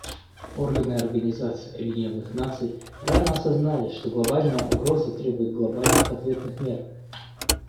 Органы Организации Объединенных Наций рано осознали, что глобальная угроза требует глобальных ответных мер.